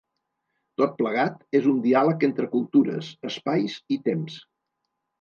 Tot plegat és un diàleg entre cultures, espais i temps.